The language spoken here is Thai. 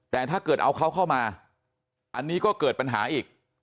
แต่ถ้าเกิดเอาเขาเข้ามาอันนี้ก็เกิดปัญหาอีก